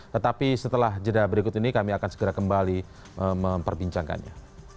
tetapi setelah jeda berikut ini kami akan segera kembali memperbincangkannya